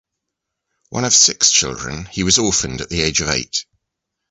One of six children, he was orphaned at the age of eight.